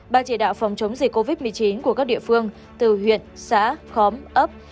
ban chỉ đạo phòng chống dịch covid một mươi chín của các địa phương từ huyện xã khóm ấp